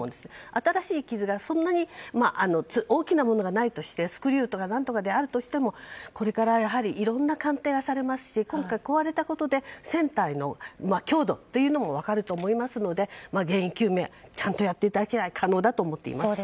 新しい傷がそんなに大きなものがないとしてスクリューとかであるとしてもこれからやはりいろんな鑑定がされますし今回、壊れたことで船体の強度というのも分かると思いますので原因究明をちゃんとやっていただければ可能だと思います。